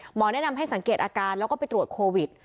หมอแนะนำให้สังเกตอาการแล้วก็ไปตรวจโควิด